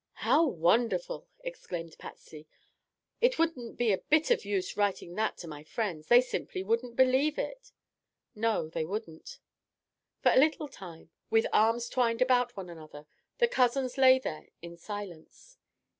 "How wonderful!" exclaimed Patsy. "It wouldn't be a bit of use writing that to my friends. They simply wouldn't believe it." "No, they wouldn't." For a little time, with arms twined about one another, the cousins lay there in silence.